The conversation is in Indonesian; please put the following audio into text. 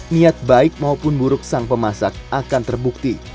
niat baik maupun buruk sang pemasak akan terbukti